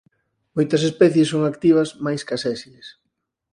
Moitas especies son activas máis ca sésiles.